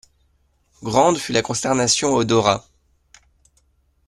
Grande fut la consternation au Dorat.